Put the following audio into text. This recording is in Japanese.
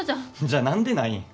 じゃあ何でない？